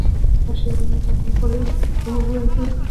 وحشي حیوانات د افغان کورنیو د دودونو مهم عنصر دی.